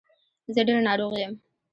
زه ډېر ناروغ یم.